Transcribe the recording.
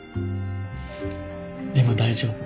でも大丈夫。